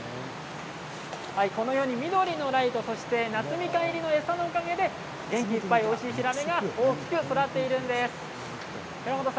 このように、緑のライトそして夏みかん入りの餌のため元気いっぱいおいしいヒラメが育っているんです。